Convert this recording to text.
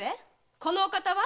このお方は？